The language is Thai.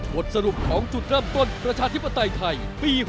บทสรุปของจุดเริ่มต้นประชาธิปไตยไทยปี๖๐